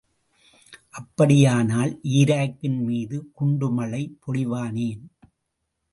அப்படியானால் ஈராக்கின் மீது குண்டு மழை பொழிவானேன்?